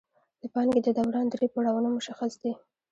د پانګې د دوران درې پړاوونه مشخص دي